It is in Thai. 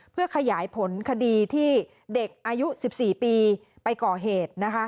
เพื่อขยายผลคดีที่เด็กอายุ๑๔ปีไปก่อเหตุนะคะ